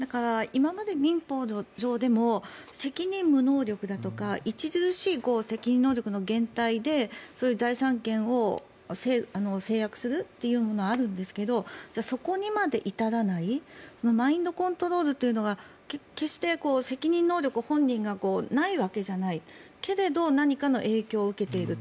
今まで民法上でも責任無能力だとか著しい責任能力の減退で財産権を制約するというものはあるんですけどそこにまで至らないマインドコントロールというのが決して責任能力本人がないわけじゃないけれど何かの影響を受けている。